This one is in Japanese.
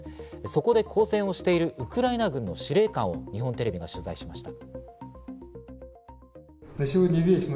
そこで抗戦をしているウクライナ軍の司令官を日本テレビは取材しました。